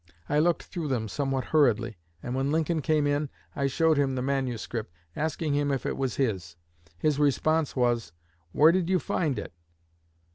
I looked through them somewhat hurriedly, and when Lincoln came in I showed him the manuscript, asking him if it was his. His response was, 'Where did you find it?'